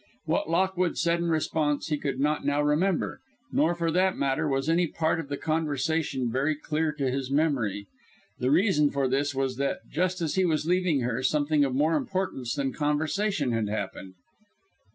What Lockwood said in response he could not now remember; nor, for that matter, was any part of the conversation very clear to his memory. The reason for this was that, just as he was leaving her, something of more importance than conversation had happened.